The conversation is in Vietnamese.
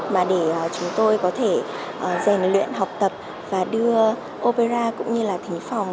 mà để chúng tôi có thể rèn luyện học tập và đưa opera cũng như là thính phòng